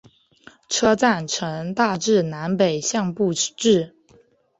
车站呈大致南北向布置。